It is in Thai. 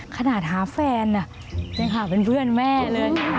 ขนาดหาแฟนยังหาเป็นเพื่อนแม่เลย